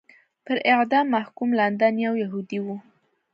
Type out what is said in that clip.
پر اعدام محکوم لندن یو یهودی و.